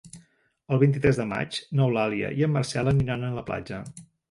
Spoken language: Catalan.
El vint-i-tres de maig n'Eulàlia i en Marcel aniran a la platja.